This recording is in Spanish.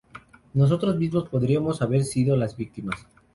Nosotros mismos podríamos haber sido las víctimas.